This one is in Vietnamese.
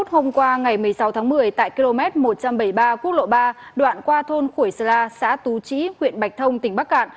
hôm qua ngày một mươi sáu tháng một mươi tại km một trăm bảy mươi ba quốc lộ ba đoạn qua thôn khuổi sala xã tú trĩ huyện bạch thông tỉnh bắc cạn